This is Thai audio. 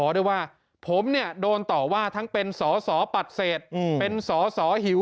ด้วยว่าผมเนี่ยโดนต่อว่าทั้งเป็นสอสอปัดเศษเป็นสอสอหิว